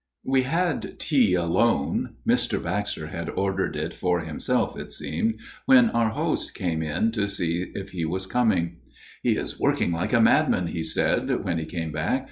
We had tea alone ; Mr. Baxter had ordered it for himself, it seemed, when our host went in to see if he was coming. "' He is working like a madman,' he said, when he came back.